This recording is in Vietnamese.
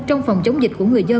trong phòng chống dịch